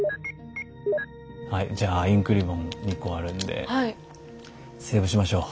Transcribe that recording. はいじゃあインクリボン２個あるんでセーブしましょう。